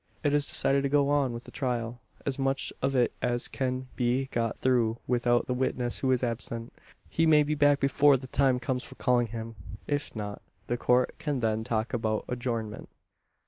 It is decided to go on with the trial as much of it as can be got through without the witness who is absent. He may be back before the time comes for calling him. If not, the Court can then talk about adjournment.